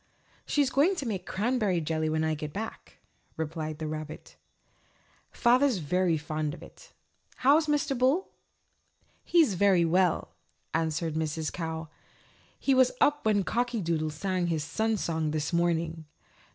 "She's going to make cranberry jelly when I get back," replied the little rabbit. "Father's very fond of it. How's Mr. Bull?" "He's very well," answered Mrs. Cow. "He was up when Cocky Doodle sang his Sun Song this morning."